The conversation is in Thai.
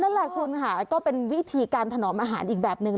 นั่นแหละคุณค่ะก็เป็นวิธีการถนอมอาหารอีกแบบนึง